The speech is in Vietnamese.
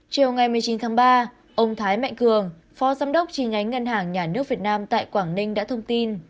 chiều ngày một mươi chín tháng ba ông thái mạnh cường phó giám đốc tri nhánh ngân hàng nhà nước việt nam tại quảng ninh đã thông tin